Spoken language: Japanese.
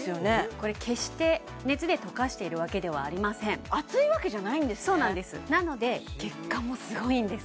これ決して熱で溶かしているわけではありません熱いわけじゃないんですねそうなんですなので結果もすごいんです